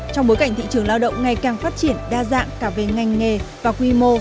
trong bối cảnh thị trường lao động ngày càng phát triển đa dạng cả về ngành nghề và quy mô